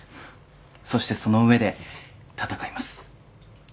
そしてその上で闘います。